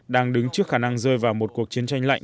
đang đứng trước khả năng rơi vào một cuộc chiến tranh lạnh